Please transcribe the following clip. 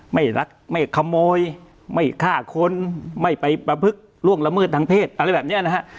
ไม่รักไม่ขโมยไม่ฆ่าคนไม่ไปประพฤกษล่วงละเมิดทางเพศอะไรแบบนี้นะฮะ